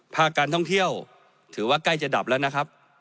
ภาคการท่องเที่ยวถือว่าใกล้จะดับแล้วนะครับ